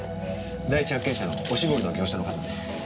第一発見者のおしぼりの業者の方です。